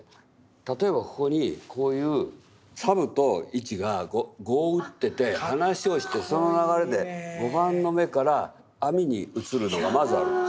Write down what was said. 例えばここにこういう佐武と市が碁を打ってて話をしてその流れで碁盤の目から網に移るのがまずある。